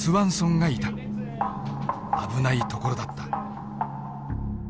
危ないところだった。